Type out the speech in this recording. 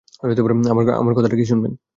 আমার কথাটা কি শুনবেন?